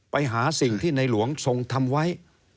ไปหาสิ่งที่ในหลวงทรงทำไว้